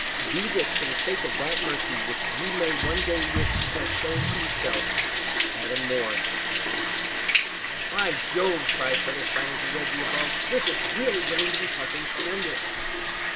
Do this for the sake of that mercy which you may one day wish to have shown to yourself. "ADAM MORE." "By Jove!" cried Featherstone, as he read the above, "this is really getting to be something tremendous."